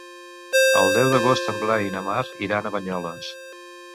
El deu d'agost en Blai i na Mar iran a Banyoles.